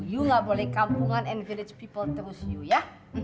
you gak boleh kampungan and village people terus hiu ya